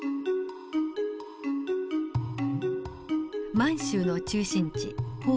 満州の中心地奉天。